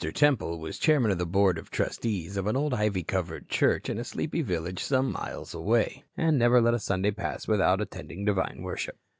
Temple was chairman of the Board of Trustees of an old ivy covered church in a sleepy village some miles away, and never let Sunday pass without attending divine worship.